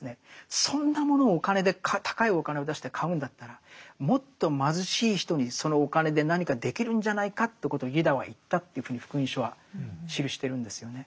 そんなものをお金で高いお金を出して買うんだったらもっと貧しい人にそのお金で何かできるんじゃないかということをユダは言ったというふうに「福音書」は記してるんですよね。